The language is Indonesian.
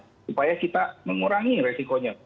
supaya kita mengurangi resikonya